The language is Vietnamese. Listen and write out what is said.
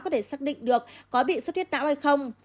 có thể xác định được có bị xuất huyết não hay không